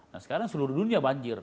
nah sekarang seluruh dunia banjir